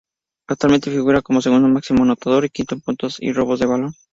Actualmente figura como segundo máximo anotador, y quinto en puntos y robos de balón.